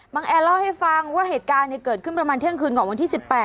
แอร์เล่าให้ฟังว่าเหตุการณ์เกิดขึ้นประมาณเที่ยงคืนของวันที่๑๘